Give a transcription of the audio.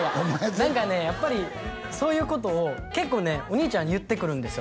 やっぱりそういうことを結構ねお兄ちゃん言ってくるんですよ